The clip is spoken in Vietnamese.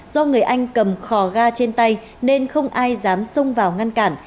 do người anh cầm khò ga trên tay nên không ai dám xông vào ngăn cản